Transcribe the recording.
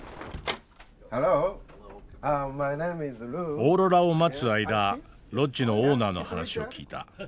オーロラを待つ間ロッジのオーナーの話を聞いた。